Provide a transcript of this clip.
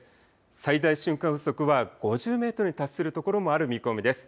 最大瞬間風速は５０メートルに達するところもある見込みです。